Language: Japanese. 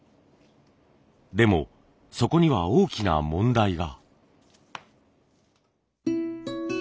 でもそこには大きな問題が。